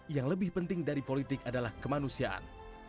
yang lebih penting dari politik adalah kemanusiaan